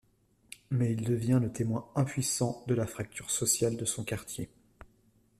Mais il devient le témoin impuissant de la fracture sociale de son quartier.